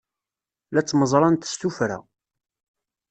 La ttmeẓrant s tuffra.